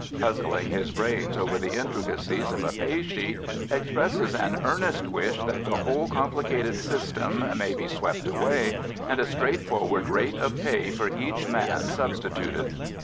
puzzling his brains over the intricacies of a pay sheet, expresses an earnest wish that the whole complicated system may be swept away, and a straightforward rate of pay for each man substituted.